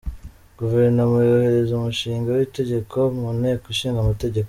Guverinoma yohereza umushinga w’itegeko mu Nteko Ishinga Amategeko.